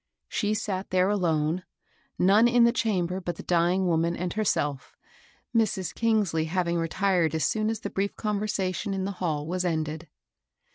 She sat there alone, none in the chamber but the dying woman and herself, Mrs. Kingsley having retired so soon as the brief conversation in the h^U was ended.